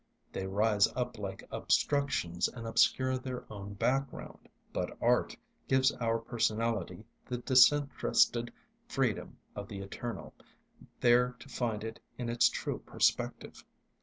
They rise up like obstructions and obscure their own background. But art gives our personality the disinterested freedom of the eternal, there to find it in its true perspective.